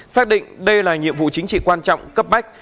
xác định đây là nhiệm vụ chính trị quan trọng cấp bách